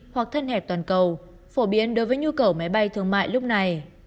hoặc thân hẹp toàn cầu phổ biến đối với nhu cầu máy bay thương mại lúc này